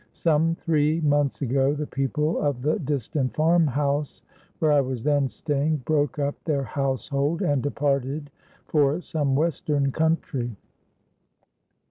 Some three months ago, the people of the distant farm house, where I was then staying, broke up their household and departed for some Western country.